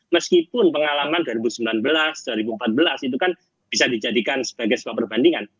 meskipun pengalaman dua ribu sembilan belas dua ribu empat belas itu kan bisa dijadikan sebagai sebuah perbandingan